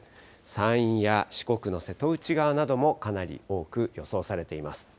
山陰や四国の瀬戸内側などもかなり多く予想されています。